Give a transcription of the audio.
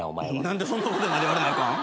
何でそんなこと言われなあかん？